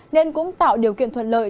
nên cũng tạo điều kiện thuận lợi